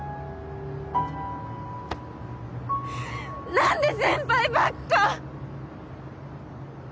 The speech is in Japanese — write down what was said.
何で先輩ばっか！